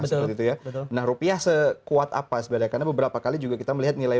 betul itu ya nah rupiah sekuat apa sebenarnya karena beberapa kali juga kita melihat nilai